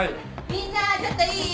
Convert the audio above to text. みんなちょっといい？